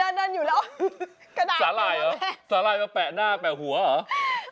เหมือนเดินอยู่แล้วสาหร่ายมาแปะหน้าแปะหัวหรอ